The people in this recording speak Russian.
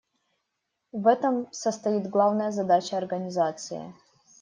В этом состоит главная задача Организации.